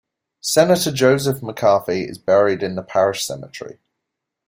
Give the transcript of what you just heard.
Senator Joseph McCarthy is buried in the parish cemetery.